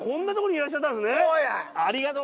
そうや。